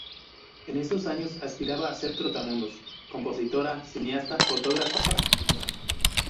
En esos años aspiraba a ser trotamundos, compositora, cineasta, fotógrafa y escritora.